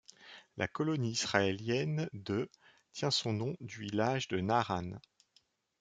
La colonie israélienne de tient son nom du village de Naaran.